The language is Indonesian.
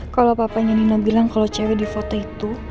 kalau papanya nina bilang kalau cewek di foto itu